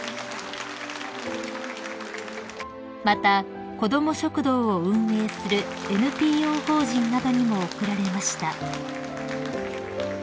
［またこども食堂を運営するＮＰＯ法人などにも贈られました］